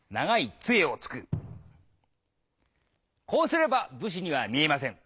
こうすれば武士には見えません。